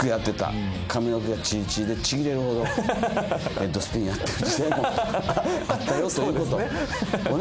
髪の毛はチリチリでちぎれるほどヘッドスピンやった時代もあったよということをね